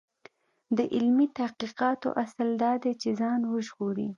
د علمي تحقیقاتو اصل دا دی چې ځان وژغوري.